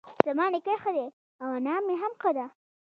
زما نيکه ښه دی اؤ انا مي هم ښۀ دۀ